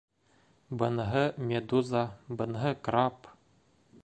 Быныһы медуза, быныһы краб...